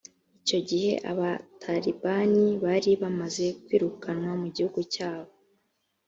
icyo igihe abatalibani bari bamaze kwirukanwa mu gihugu cya bo